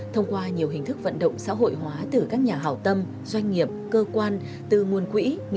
thông qua nhiều hình thức vận động xã hội hóa từ các nhà hào tâm doanh nghiệp cơ quan từ nguồn quỹ